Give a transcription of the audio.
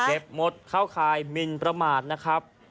เก็บหมดเข้าคายมินประมาทนะครับ